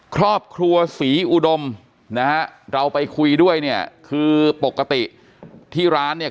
ครอบครัวศรีอุดมนะฮะเราไปคุยด้วยเนี่ยคือปกติที่ร้านเนี่ย